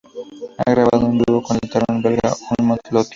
Ha grabado un dúo con el tenor belga Helmut Lotti.